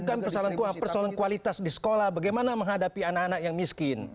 bukan permasalahan uang permasalahan kualitas di sekolah bagaimana menghadapi anak anak yang miskin